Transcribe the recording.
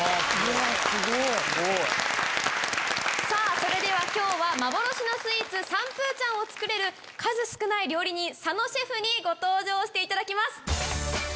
それでは今日は幻のスイーツ三不粘を作れる数少ない料理人佐野シェフにご登場していただきます。